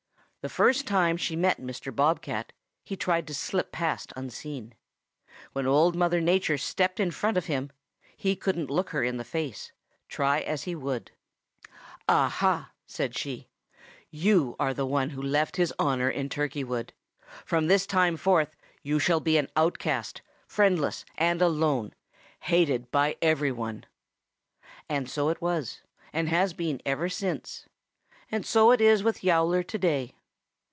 The first time she met Mr. Bob cat he tried to slip past unseen. When Old Mother Nature stepped in front of him, he couldn't look her in the face, try as he would. "'Ah ha!' said she. 'You are the one who left his honor in Turkey Wood. From this time forth you shall be an outcast, friendless and alone, hated by every one.' "And so it was, and has been ever since. And so it is with Yowler today.